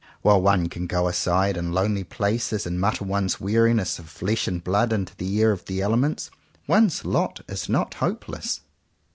While one can go aside in lonely places and mutter one's weariness of flesh and blood into the ear of the elements, one's lot is not hopeless.